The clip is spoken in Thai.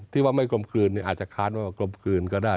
ที่ว่าไม่กลมกลืนอาจจะค้านว่ากลมกลืนก็ได้